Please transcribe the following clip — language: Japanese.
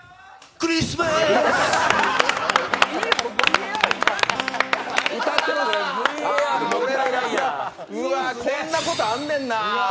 クリスマスうわ、こんなことあんねんな。